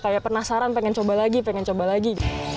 kayak penasaran pengen coba lagi pengen coba lagi